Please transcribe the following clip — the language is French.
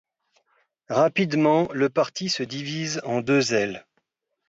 Rapidement, le parti se divise en deux ailes.